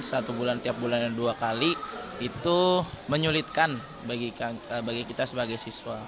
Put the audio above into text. satu bulan tiap bulan dan dua kali itu menyulitkan bagi kita sebagai siswa